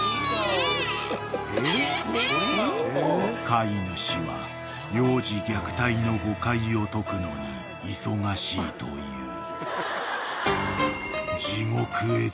［飼い主は幼児虐待の誤解を解くのに忙しいという］